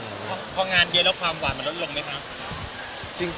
พองานเยอะแล้วความหวานมันลดลงไหมคะ